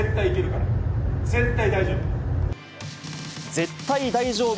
絶対大丈夫！